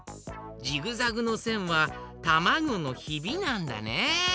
ジグザグのせんはたまごのひびなんだね。